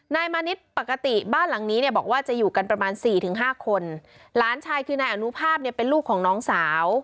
มานิดปกติบ้านหลังนี้เนี่ยบอกว่าจะอยู่กันประมาณสี่ถึงห้าคนหลานชายคือนายอนุภาพเนี่ยเป็นลูกของน้องสาว